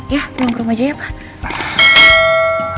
ya pulang ke rumah aja ya pak